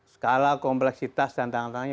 skala kompleksitas dan tangan tangannya